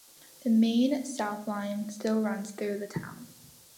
The Main South Line still runs through the town.